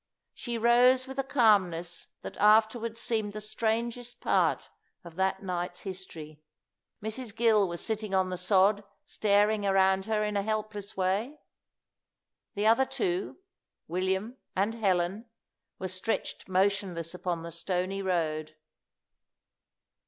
She rose with a calmness that afterwards seemed the strangest part of that night's history. Mrs. Gill was sitting on the sod staring around her in a helpless way. The other two, William and Helen, were stretched motionless upon the stony road.